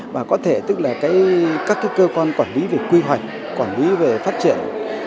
và có thể tức là các cơ quan quản lý về quy hoạch quản lý về phát triển